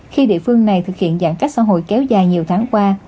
khi địa phương này thực hiện giãn cách xã hội kéo dài nhiều tháng qua